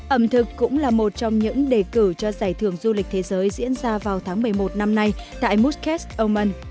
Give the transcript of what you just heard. ẩm thực cũng là một trong những đề cử cho giải thưởng du lịch thế giới diễn ra vào tháng một mươi một năm nay tại muscat oman